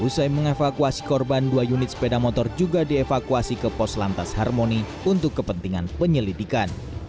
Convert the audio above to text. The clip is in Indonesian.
usai mengevakuasi korban dua unit sepeda motor juga dievakuasi ke pos lantas harmoni untuk kepentingan penyelidikan